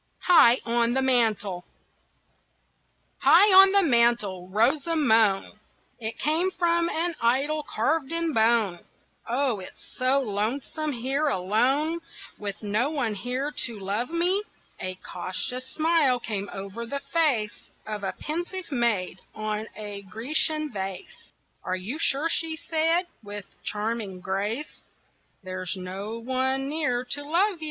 HIGH ON THE MANTEL High on the mantel rose a moan It came from an idol carved in bone "Oh, it's so lonesome here alone, With no one near to love me!" A cautious smile came over the face Of a pensive maid on a Grecian vase "Are you sure," she said, with charming grace, "There's no one near to love you?"